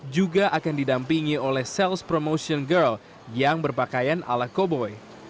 juga akan didampingi oleh sales promotion girl yang berpakaian ala koboi